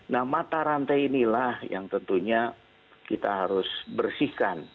nah mata rantai inilah yang tentunya kita harus bersihkan